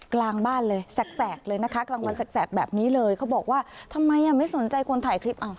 กลางวันแสกแบบนี้เลยเขาบอกว่าทำไมไม่สนใจคนถ่ายคลิป